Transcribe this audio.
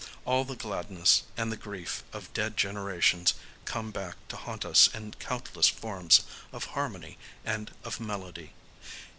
All the gladness and the grief of dead generations come back to haunt us in countless forms of harmony and of melody.